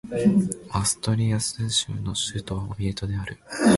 アストゥリアス州の州都はオビエドである